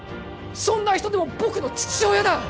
そんな人でも僕の父親だ！